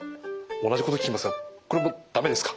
同じこと聞きますがこれもダメですか？